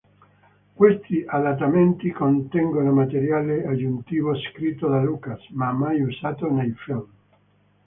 Questi adattamenti contengono materiale aggiuntivo scritto da Lucas, ma mai usato nei film.